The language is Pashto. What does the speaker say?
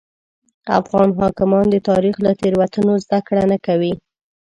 افغان حاکمان د تاریخ له تېروتنو زده کړه نه کوي.